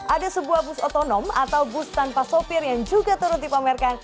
ada sebuah bus otonom atau bus tanpa sopir yang juga turut dipamerkan